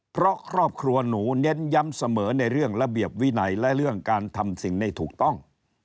เพราะครอบครัวหนูเน้นย้ำเสมอในเรื่องระเบียบวินัยและเรื่องการทำสิ่งไม่ถูกต้อง